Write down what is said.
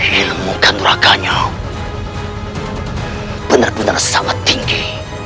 ilmu kandung raganya benar benar sangat tinggi